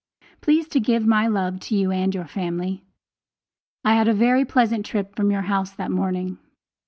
Please to give my love to you and your family. I had a very pleasant trip from your house that morning.